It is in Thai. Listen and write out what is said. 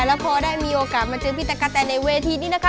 แล้วพอได้มีโอกาสมาเจอพี่ตะกะแตนในเวทีนี้นะคะ